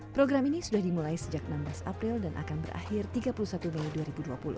program ini sudah dimulai sejak enam belas april dan akan berakhir tiga puluh satu mei dua ribu dua puluh